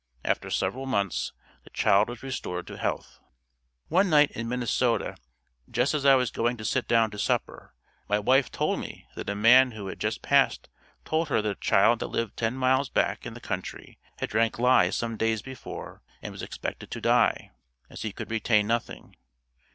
After several months the child was restored to health. One night in Minnesota just as I was going to sit down to supper my wife told me that a man who had just passed told her that a child that lived ten miles back in the country had drank lye some days before and was expected to die, as he could retain nothing.